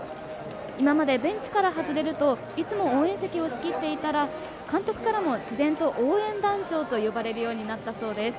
今までベンチから外れると応援席を仕切っていたら監督からも自然と応援団長と呼ばれるようになったそうです。